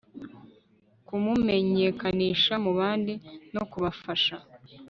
kumumenyekanisha mu bandi no kubafasha